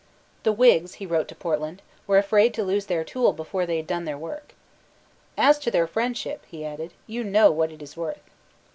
The Whigs, he wrote to Portland, were afraid to lose their tool before they had done their work. "As to their friendship," he added, "you know what it is worth."